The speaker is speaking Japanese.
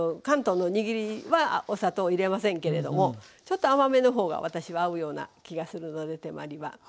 関東の握りはお砂糖入れませんけれどもちょっと甘めの方が私は合うような気がするので手まりは。